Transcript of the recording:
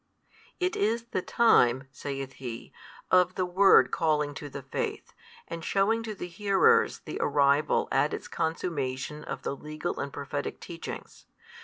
It is the time (saith He) of the Word calling to the Faith, and shewing to the hearers the arrival at its consummation of the legal and Prophetic preachings.